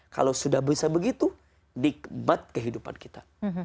kalau sudah bisa begitu nikmat kehidupan kita